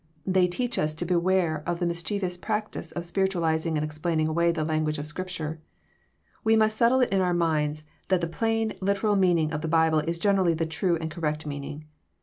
They teach us to beware of the mischievous practice of spiritualizing and explaining away the language of Scripture. We must settle it in our minds that the plain, literal meaning of the Bible is generally the true and correct meaning.